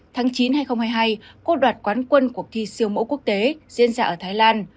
tháng chín hai nghìn hai mươi hai cốt đoạt quán quân cuộc thi siêu mẫu quốc tế diễn ra ở thái lan